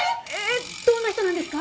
どんな人なんですか？